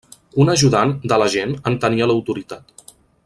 Un ajudant de l'agent en tenia l'autoritat.